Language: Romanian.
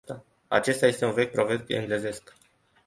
Acesta este un vechi proverb englezesc.